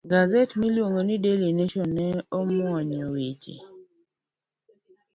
Gaset miluongo ni "Daily Nation" ne onwoyo weche